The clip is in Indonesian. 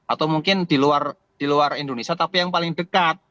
atau mungkin di luar indonesia tapi yang paling dekat